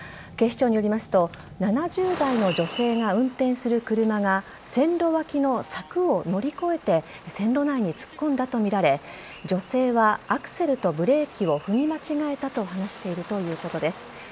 警視庁によりますと７０代の女性が運転する車が線路脇の柵を乗り越えて線路内に突っ込んだとみられ女性はアクセルとブレーキを踏み間違えたと話しているということです。